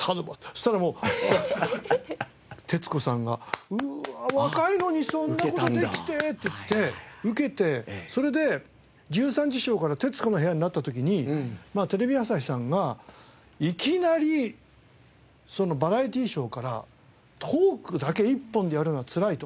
そしたらもう徹子さんがうわあ若いのにそんな事できて！って言ってウケてそれで『１３時ショー』から『徹子の部屋』になった時にテレビ朝日さんがいきなりバラエティーショーからトークだけ１本でやるのはつらいと。